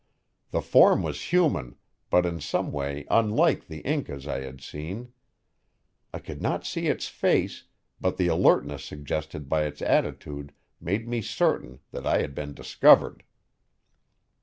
The form was human, but in some way unlike the Incas I had seen. I could not see its face, but the alertness suggested by its attitude made me certain that I had been discovered.